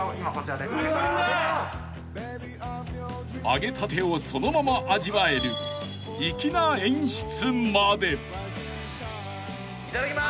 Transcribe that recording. ［揚げたてをそのまま味わえる粋な演出まで］